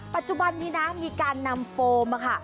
ปัจจุบันนี้นะมีการนำโฟมค่ะ